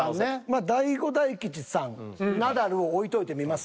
まあ大悟大吉さんナダルを置いといてみます？